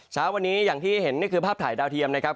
เช้าวันนี้อย่างที่เห็นนี่คือภาพถ่ายดาวเทียมนะครับ